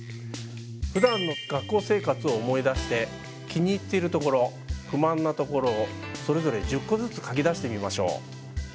ふだんの学校生活を思い出して気に入っている所不満な所をそれぞれ１０個ずつ書き出してみましょう。